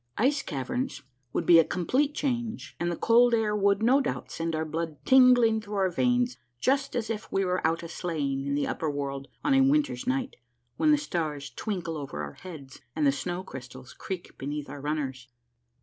Ice caverns would be a complete change, and the cold air would, no doubt, send our blood tingling through our veins just as if we were out a sleighing in the upper world on a winter's night, when the stars twinkle over our heads and the snow crystals creak beneath our runners.